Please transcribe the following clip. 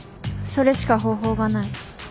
それしか方法がない。